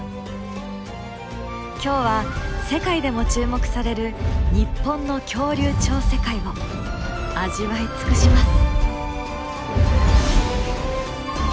今日は世界でも注目される日本の恐竜超世界を味わい尽くします！